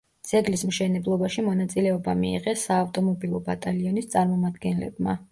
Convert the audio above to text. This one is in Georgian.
ძეგლის მშენებლობაში მონაწილეობა მიიღეს საავტომობილო ბატალიონის წარმომადგენლებმა.